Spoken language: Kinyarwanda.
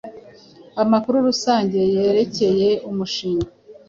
Amakuru Rusange Yerekeye Umushinga